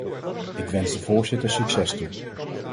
Ik wens de voorzitter succes toe.